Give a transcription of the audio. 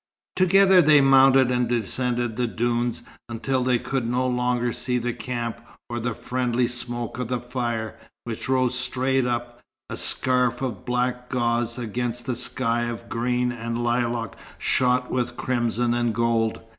Together they mounted and descended the dunes, until they could no longer see the camp or the friendly smoke of the fire, which rose straight up, a scarf of black gauze, against a sky of green and lilac shot with crimson and gold.